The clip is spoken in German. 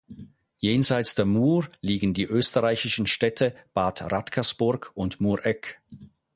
Jenseits der Mur liegen die österreichischen Städte Bad Radkersburg und Mureck.